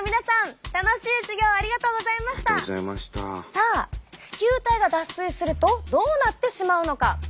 さあ糸球体が脱水するとどうなってしまうのか。